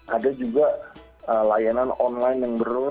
ada juga layanan online yang berurus